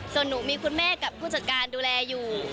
ส่วนหนูมีคุณแม่กับผู้จัดการดูแลอยู่